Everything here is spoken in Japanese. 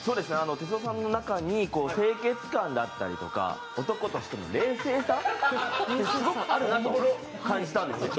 哲夫さんの中に清潔感だったりとか男としての冷静さがすごくあるなと感じたんですよ。